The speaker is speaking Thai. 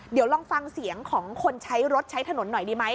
เดี๋ยวลองฟังเสียงของคนใช้รถใช้ถนนหน่อยดีไหม